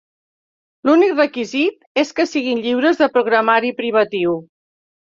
L'únic requisit és que siguin lliures de programari privatiu.